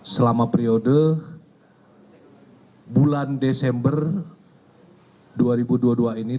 selama periode bulan desember dua ribu dua puluh dua ini